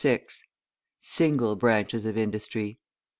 SINGLE BRANCHES OF INDUSTRY.